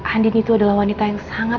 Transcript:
andin itu adalah wanita yang sangat